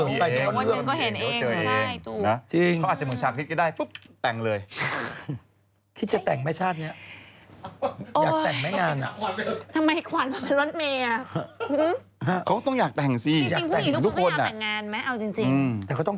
เดี๋ยววันหนึ่งก็เห็นเองเดี๋ยวเจอเอง